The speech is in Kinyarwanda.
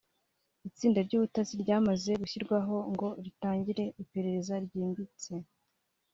itsinda ry’ubutasi ryamaze gushyirwaho ngo ritangire iperereza ryimbitse